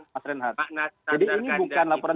mas renhat jadi ini bukan laporan